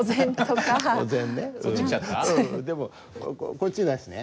こっちなしね。